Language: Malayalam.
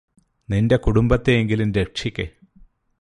നിന്റെ കുടുംബത്തെയെങ്കിലും രക്ഷിക്ക്